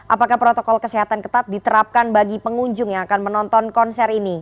apakah protokol kesehatan ketat diterapkan bagi pengunjung yang akan menonton konser ini